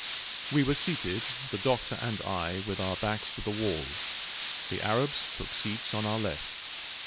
We were seated the Doctor and I with our backs to the wall. The Arabs took seats on our left.